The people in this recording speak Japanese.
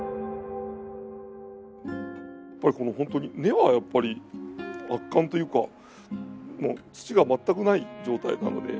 本当に根はやっぱり圧巻というかもう土が全くない状態なので。